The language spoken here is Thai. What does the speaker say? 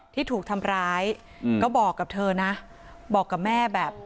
ที่ถูกทำร้ายอืมก็บอกกับเธอนะบอกกับแม่แบบ